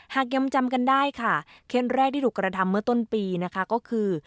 หากยังจำกันได้ค่ะเคสแรกที่ถูกกระทำเมื่อต้นปีนะคะก็คือ